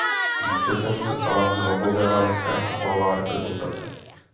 Vítězem se stala novozélandská fotbalová reprezentace.